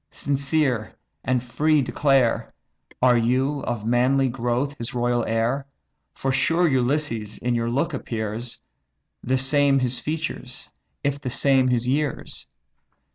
sincere and free declare, Are you, of manly growth, his royal heir? For sure Ulysses in your look appears, The same his features, if the same his years.